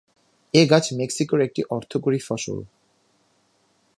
এ গাছ মেক্সিকোর একটি অর্থকরী ফসল।